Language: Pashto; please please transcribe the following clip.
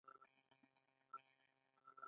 د معدې د شدید درد لپاره باید څه مه خورم؟